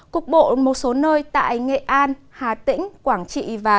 cục bộ một số nơi tại nghệ an hà tĩnh quảng trị và